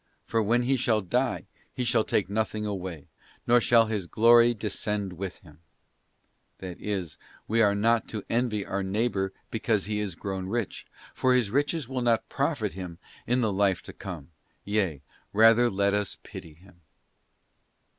for when he shall die, he shall take nothing away ; nor shall his glory descend with him ;' ||—that is, we are not to envy our neighbour because he is grown rich, for his riches will not profit him in the life to come; yea, rather let us pity him.